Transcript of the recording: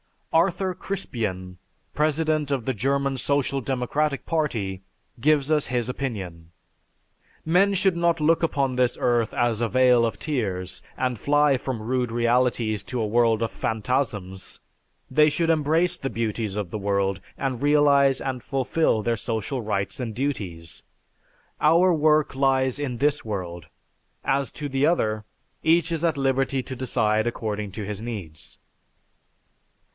Arthur Crispien, president of the German Social Democratic Party, gives us his opinion. "Men should not look upon this earth as a vale of tears and fly from rude realities to a world of phantasms; they should embrace the beauties of the world, and realize and fulfill their social rights and duties. Our work lies in this world. As to the other, each is at liberty to decide according to his needs."